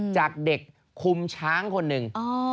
จากเด็กคุมช้างคนหนึ่ง